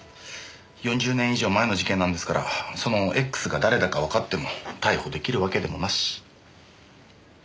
４０年以上前の事件なんですからそのＸが誰だかわかっても逮捕できるわけでもなし。